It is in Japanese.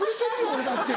俺だって。